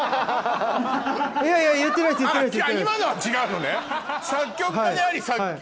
今のは違うのね？